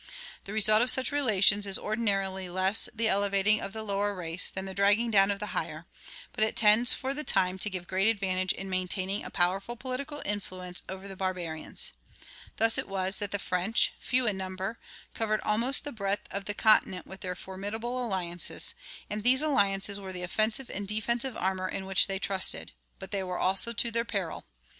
The result of such relations is ordinarily less the elevating of the lower race than the dragging down of the higher; but it tends for the time to give great advantage in maintaining a powerful political influence over the barbarians. Thus it was that the French, few in number, covered almost the breadth of the continent with their formidable alliances; and these alliances were the offensive and defensive armor in which they trusted, but they were also their peril.